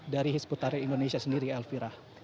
dari hizbut tahrir indonesia sendiri elvira